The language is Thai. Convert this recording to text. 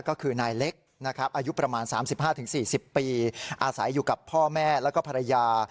ก็คือนายเล็กนะครับอายุประมาณ๓๕๔๐ปีอาศัยอยู่กับพ่อแม่แล้วก็ภรรยา